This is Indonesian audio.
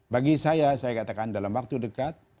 bagi saya saya katakan dalam waktu dekat